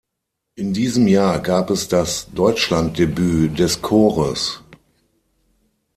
In diesem Jahr gab es das Deutschland-Debüt des Chores.